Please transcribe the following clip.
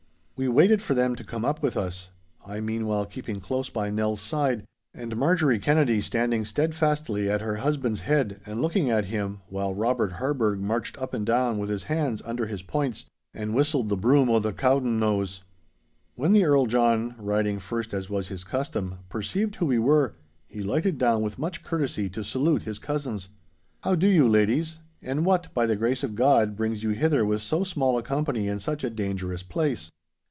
We waited for them to come up with us, I meanwhile keeping close by Nell's side, and Marjorie Kennedy standing steadfastly at her husband's head and looking at him, while Robert Harburgh marched up and down with his hands under his points and whistled the 'Broom o' the Cowdenknowes.' When the Earl John, riding first as was his custom, perceived who we were, he lighted down with much courtesy to salute his cousins. 'How do you, ladies? And what, by the grace of God, brings you hither with so small a company in such a dangerous place?